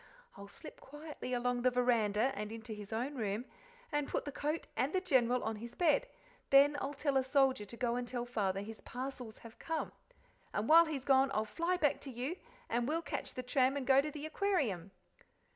I'll slip quietly along the veranda and into his own room, and put the coat and the General on the bed; then I'll tell a soldier to go and tell Father his parcels have come; and while he's gone I'll fly back to you, and we'll catch the tram and go to the Aquarium."